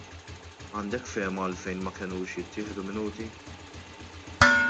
Għandek fehma għalfejn ma kenux jittieħdu Minuti?